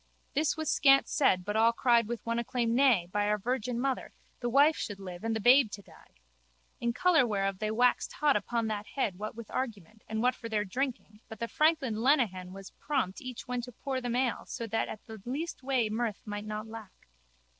This was scant said but all cried with one acclaim nay, by our Virgin Mother, the wife should live and the babe to die. In colour whereof they waxed hot upon that head what with argument and what for their drinking but the franklin Lenehan was prompt each when to pour them ale so that at the least way mirth might not lack.